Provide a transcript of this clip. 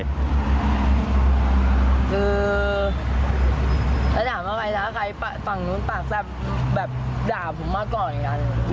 คือถามว่าใครท้าใครฝั่งนู้นปากแซ่บแบบด่าผมมาก่อนกัน